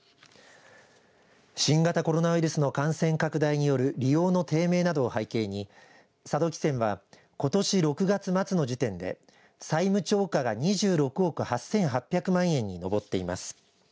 新型コロナウイルスの感染拡大による利用の低迷などを背景に佐渡汽船はことし６月末の時点で債務超過が２６億８８００万円に上っています。